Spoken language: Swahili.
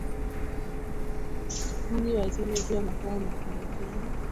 Mji wa Isiolo ukiwa makao makuu ya Kenya